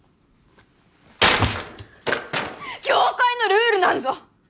業界のルールなんぞ！